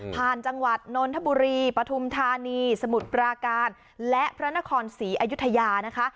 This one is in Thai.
จังหวัดนนทบุรีปฐุมธานีสมุทรปราการและพระนครศรีอยุธยานะคะ